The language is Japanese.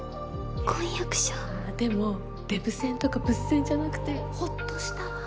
婚約者あでもデブ専とかブス専じゃなくてホッとしたわ